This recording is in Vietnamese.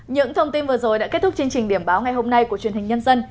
những thông tin vừa rồi đã kết thúc chương trình điểm báo ngày hôm nay của truyền hình nhân dân